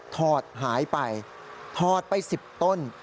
ถอดหายไปถอดไป๑๐ต้น